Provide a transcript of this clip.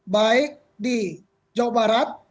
baik di jawa barat